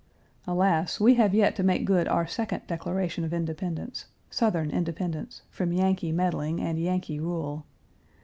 Alas! we have yet to make good our second declaration of independence Southern independence from Yankee meddling and Yankee rule.